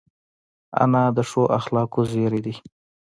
انا د ښو اخلاقو زېری ده